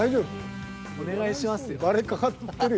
お願いしますよ。